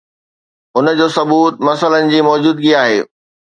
ان جو ثبوت مسئلن جي موجودگي آهي